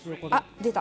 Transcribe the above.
出た！